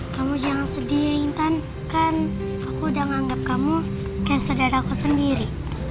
kamu jangan sedih ya intan kan aku udah nganggep kamu kayak saudara aku sendiri